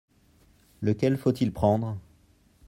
Lequel faut-il prendre ?